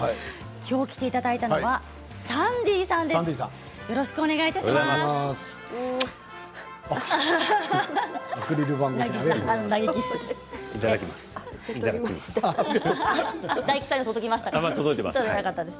きょう来ていただいたのはサンディーさんです。